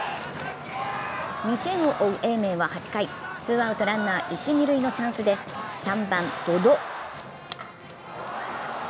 ２点を追う英明は８回、ツーアウトランナー、一・二塁のチャンスで３番・百々。